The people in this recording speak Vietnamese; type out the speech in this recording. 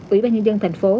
ủy ban nhân dân thành phố